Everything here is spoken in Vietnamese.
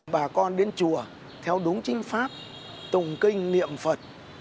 bà con đến chùa theo đúng chính pháp tụng kinh niệm phật